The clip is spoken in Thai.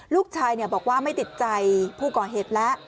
ลูกชายบอกว่าไม่ติดใจผู้ก่อเหตุแล้ว